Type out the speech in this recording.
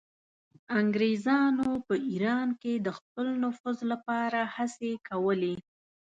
انګریزانو په ایران کې د خپل نفوذ لپاره هڅې کولې.